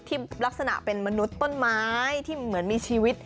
ที่ลักษณะเป็นมนุษย์ต้นไม้ที่เหมือนมีชีวิต